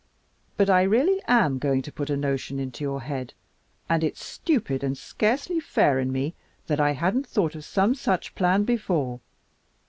But I really am going to put a notion into your head, and it's stupid and scarcely fair in me that I hadn't thought of some such plan before.